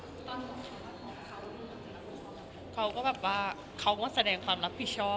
ตอนต้องแสดงความรับผิดชอบเขาก็แบบว่าเขาแสดงความรับผิดชอบ